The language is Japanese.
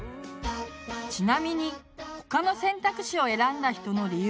ちなみに他の選択肢を選んだ人の理由はこんな感じ。